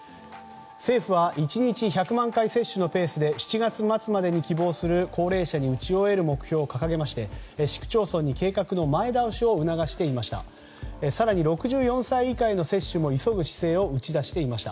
政府は１日１００万回接種のペースで７月末までに希望する高齢者に打ち終える目標を掲げまして市区町村に計画の前倒しを促していました。